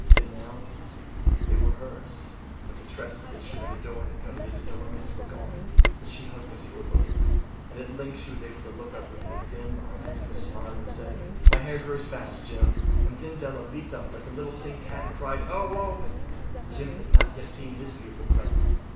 And now, they were hers, but the tresses that should have adorned the coveted adornments were gone. But she hugged them to her bosom, and at length she was able to look up with dim eyes and a smile and say: “My hair grows so fast, Jim!” And then Della leaped up like a little singed cat and cried, “Oh, oh!” Jim had not yet seen his beautiful present.